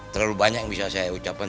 terlalu banyak yang bisa saya ucapkan